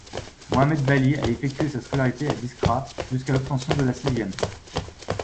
Mohamed Balhi a effectué sa scolarité à Biskra jusqu'à l'obtention de la sixième.